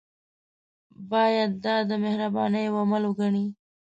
باید دا د مهربانۍ یو عمل وګڼي.